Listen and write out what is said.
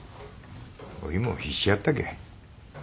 おいも必死やったけん。